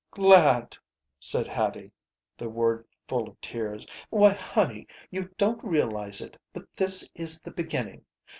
"Glad," said Hattie, the word full of tears. "Why, honey, you don't realize it, but this is the beginning!